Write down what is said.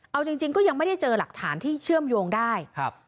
เอาจริงก็ยังไม่ได้เจอหลักฐานที่เชื่อมโยงได้